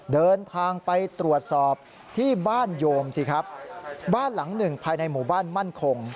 เดินทางไปตรวจสอบที่บ้านโยมสิครับบ้านหลังหนึ่งภายในหมู่บ้านมั่นคง